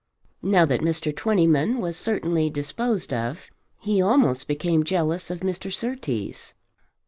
Now that Mr. Twentyman was certainly disposed of, he almost became jealous of Mr. Surtees.